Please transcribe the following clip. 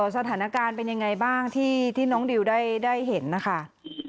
สถานการณ์เป็นยังไงบ้างที่น้องดิวได้เห็นนะคะ